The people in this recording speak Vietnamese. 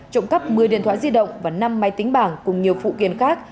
trộm cắp một mươi điện thoại di động và năm máy tính bảng cùng nhiều phụ kiện khác